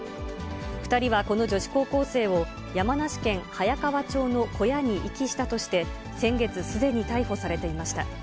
２人はこの女子高校生を、山梨県早川町の小屋に遺棄したとして、先月、すでに逮捕されていました。